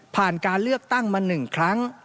การเลือกตั้งมา๑ครั้ง